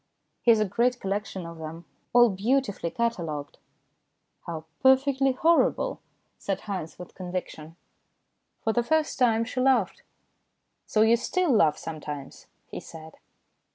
He has a great collection of them, all beautifully catalogued." " How perfectly horrible," said Haynes with conviction. For the first time she laughed. " So you still laugh sometimes," he said.